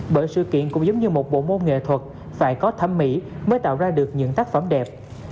bởi sự kiện cũng giống như một bộ môn nghệ thuật phải có thẩm mỹ mới tạo ra được những tác phẩm đẹp